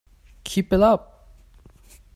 Keep it up!